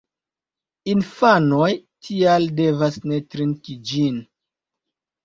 Infanoj tial devas ne trinki ĝin.